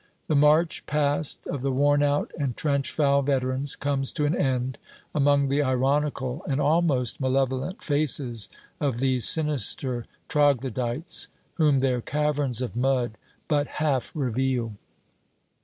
The march past of the worn out and trench foul veterans comes to an end among the ironical and almost malevolent faces of these sinister troglodytes, whom their caverns of mud but half reveal.